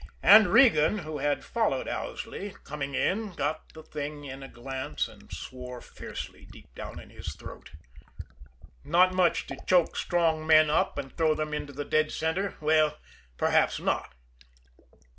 And Regan, who had followed Owsley, coming in, got the thing in a glance and swore fiercely deep down in his throat. Not much to choke strong men up and throw them into the "dead center"? Well, perhaps not.